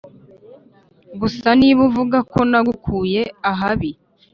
gusa niba uvugako nagukuye ahabi